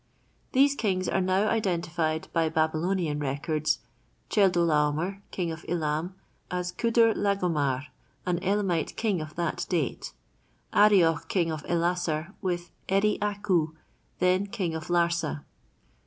These kings are now identified by Babylonian records, Chedorlaomer, king of Elam, as Kudur Lagomar, an Elamite king of that date; Arioch, king of Ellasar, with Eri Aku, then king of Larsa.